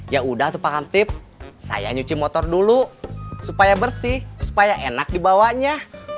ya udah tuh pak kantip saya nyuci motor dulu supaya bersih supaya enak dibawanya